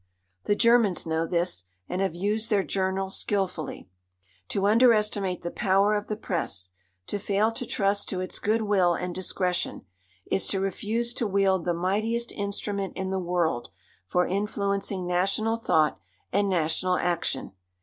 The Germans know this, and have used their journals skilfully. To underestimate the power of the press, to fail to trust to its good will and discretion, is to refuse to wield the mightiest instrument in the world for influencing national thought and national action.